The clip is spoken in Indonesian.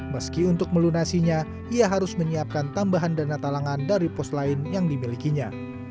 meski untuk melunasinya ia harus menyiapkan tambahan dana talangan dari pos lain yang dimilikinya